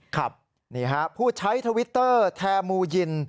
ครับนี่ฮะผู้ใช้ทวิตเตอร์แทมูยิน